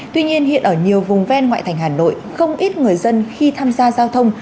tuy nhiên hiện ở nhiều vùng ven ngoại thành hà nội không ít người dân khi tham gia giao thông